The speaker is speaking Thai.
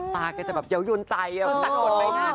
ตาแกจะแบบเยาหยุ่นใจสะกดไปหน่อย